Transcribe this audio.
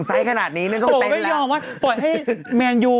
ไซส์ขนาดนี้เนี่ยต้องเต้นแล้วโหไม่ยอมว่าปล่อยให้แมนยู